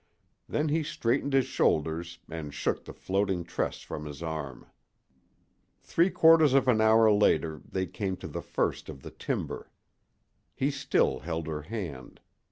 Then he straightened his shoulders and shook the floating tress from his arm. Three quarters of an hour later they came to the first of the timber. He still held her hand.